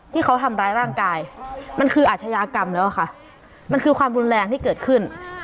ที่เขาทำร้ายร่างกายมันคืออาชญากรรมแล้วค่ะมันคือความรุนแรงที่เกิดขึ้น